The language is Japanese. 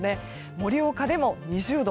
盛岡でも２０度。